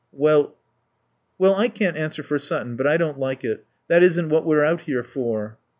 "Well " "Well, I can't answer for Sutton, but I don't like it. That isn't what we're out here for."